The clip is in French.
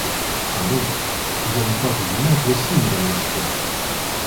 Ah non, vous allez pas vous y mettre aussi, madame Marquet !